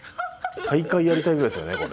大会やりたいぐらいですよね